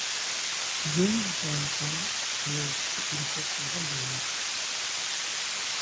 James Duncan wrote the insect volumes.